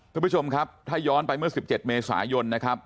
คุณผู้ชมครับถ้าย้อนไปเมื่อ๑๗เมษายนนะครับ